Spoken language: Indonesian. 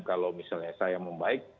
kalau misalnya saya membaik